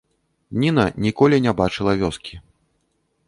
Ніна ніколі не бачыла вёскі.